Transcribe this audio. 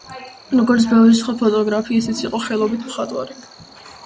როგორც ბევრი სხვა ფოტოგრაფი, ისიც იყო ხელობით მხატვარი.